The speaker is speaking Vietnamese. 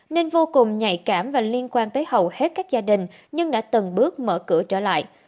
nên vô cùng nhạy cảm và liên quan tới hầu hết các gia đình nhưng đã từng bước mở cửa trở lại